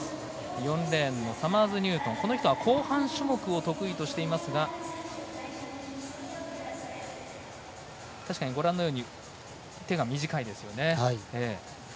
４レーンのサマーズニュートンは後半種目を得意としていますが確かに、手が短いですね。